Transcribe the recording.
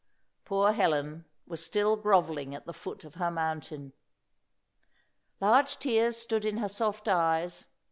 Poor Helen was still grovelling at the foot of her mountain. Large tears stood in her soft eyes.